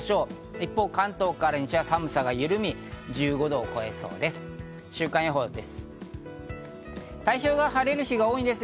一方、関東から西は寒さが緩み、１５度を超えそうです。